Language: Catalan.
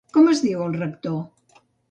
Com es diu el rector?